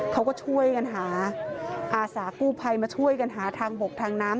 เขาก็ช่วยกันหาอาสากู้ภัยมาช่วยกันหาทางบกทางน้ำ